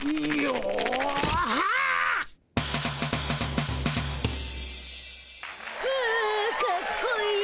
おおかっこいい！